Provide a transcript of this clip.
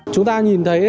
chúng ta nhìn thấy